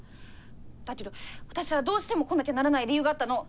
だけど私はどうしても来なきゃならない理由があったの。